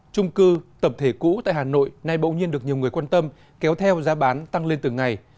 trung cư tập thể cũ tại hà nội nay bỗng nhiên được nhiều người quan tâm kéo theo giá bán tăng lên từng ngày